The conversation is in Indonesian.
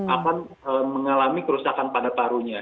akan mengalami kerusakan pada parunya